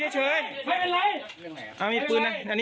ข้าเป็นอะไร